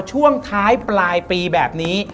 ช่วงท้ายปลายปีแบบนี้